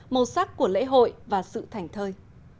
màu sắc của lễ hội và sự thảnh thơi